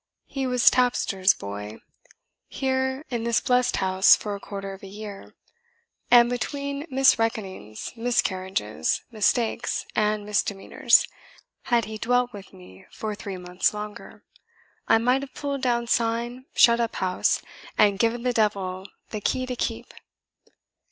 He was tapster's boy here in this blessed house for a quarter of a year; and between misreckonings, miscarriages, mistakes, and misdemeanours, had he dwelt with me for three months longer, I might have pulled down sign, shut up house, and given the devil the key to keep."